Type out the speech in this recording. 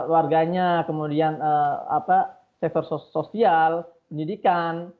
warganya kemudian sektor sosial pendidikan